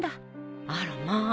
あらまあ。